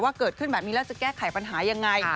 เกิดขึ้นแบบนี้แล้วจะแก้ไขปัญหายังไง